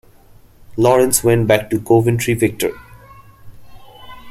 Lawrence went back to Coventry-Victor.